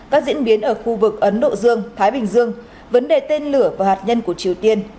các diễn biến ở khu vực ấn độ dương thái bình dương vấn đề tên lửa và hạt nhân của triều tiên